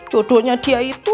jodohnya dia itu